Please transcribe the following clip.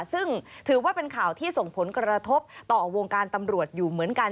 ซึ่งถือว่าเป็นข่าวที่ส่งผลกระทบต่อวงการตำรวจอยู่เหมือนกัน